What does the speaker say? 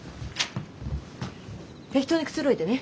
適当にくつろいでね。